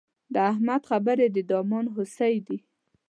د احمد خبرې د دامان هوسۍ دي.